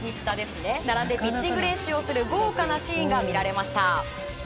並んでピッチング練習をする豪華なシーンが見られました。